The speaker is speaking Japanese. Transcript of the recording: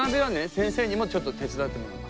先生にもちょっと手伝ってもらって。